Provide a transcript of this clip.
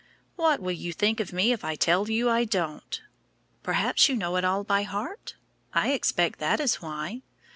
"What will you think of me if I tell you I don't?" "Perhaps you know it all by heart? I expect that is why."